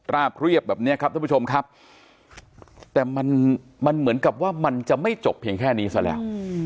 เรียบแบบนี้ครับท่านผู้ชมครับแต่มันเหมือนกับว่ามันจะไม่จบเพียงแค่นี้ซะแล้ว